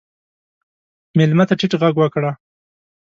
مېلمه ته ټیټ غږ وکړه.